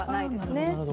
なるほど。